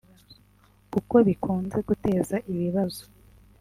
kuko bikunze guteza ibibazo